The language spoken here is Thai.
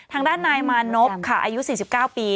ทางด้านนายมานพค่ะอายุ๔๙ปี